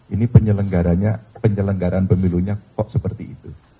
ini penyelenggaranya penyelenggaran pemilunya kok seperti itu